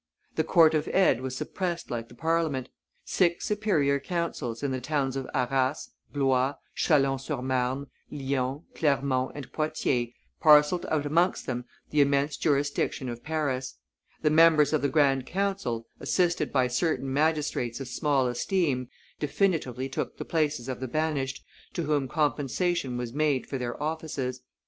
The Court of Aids was suppressed like the Parliament; six superior councils, in the towns of Arras, Blois, Chalons sur Marne, Lyon, Clermont, and Poitiers parcelled out amongst them the immense jurisdiction of Paris; the members of the grand council, assisted by certain magistrates of small esteem, definitively took the places of the banished, to whom compensation was made for their offices.